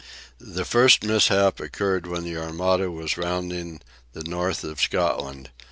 The first mishap occurred when the Armada was rounding the north of Scotland.